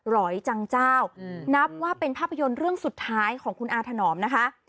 ร้อยจังเจ้านับว่าเป็นภาพยนตร์เรื่องสุดท้ายของคุณอาถนอมนะคะ